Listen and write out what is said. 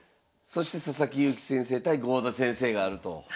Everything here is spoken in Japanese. そして佐々木勇気先生対郷田先生があると。